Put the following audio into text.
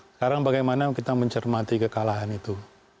sekarang bagaimana kita mencermati kekalahan itu